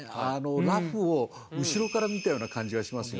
裸婦を後ろから見たような感じがしますよね。